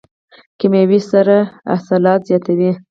کیمیاوي سره حاصلات زیاتوي.